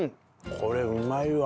これうまいわ。